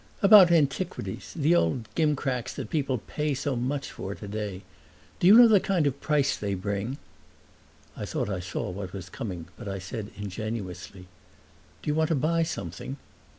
"About antiquities, the old gimcracks that people pay so much for today. Do you know the kind of price they bring?" I thought I saw what was coming, but I said ingenuously, "Do you want to buy something?"